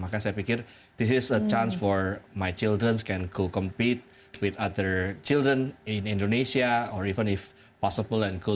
maka saya pikir ini adalah kesempatan untuk anak anak saya bisa bergabung dengan anak anak lain di indonesia atau bahkan jika mungkin bisa pergi ke luar negara